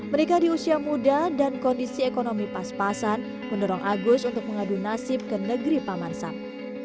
mereka di usia muda dan kondisi ekonomi pas pasan mendorong agus untuk mengadu nasib ke negeri paman sam